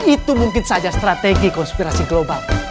itu mungkin saja strategi konspirasi global